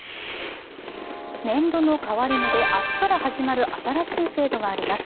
年度の変わり目で、明日から始まる新しい制度があります。